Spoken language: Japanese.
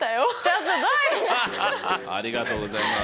ハハハッありがとうございます。